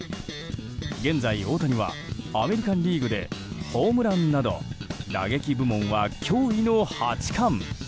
現在、大谷はアメリカン・リーグでホームランなど打撃部門は驚異の８冠。